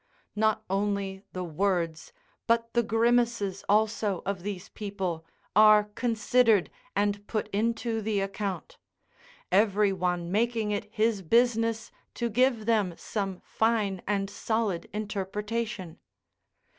Not only the words, but the grimaces also of these people, are considered and put into the account; every one making it his business to give them some fine and solid interpretation.